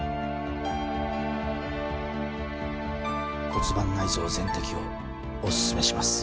骨盤内臓全摘をおすすめします。